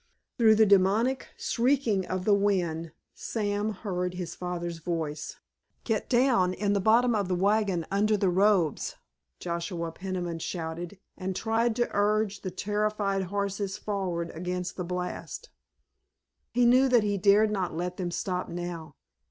Through the demoniac shrieking of the wind Sam heard his father's voice. "Get down in the bottom of the wagon under the robes," Joshua Peniman shouted, and tried to urge the terrified horses forward against the blast. He knew that he dared not let them stop now.